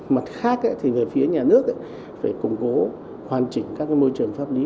mặt khác thì về phía nhà nước phải củng cố hoàn chỉnh các môi trường pháp lý